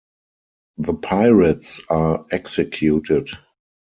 The pirates are executed.